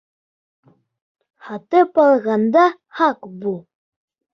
Һатып алғанда һаҡ бул